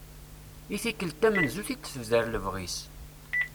I tikkelt tamenzut i d-tebder lebɣi-s.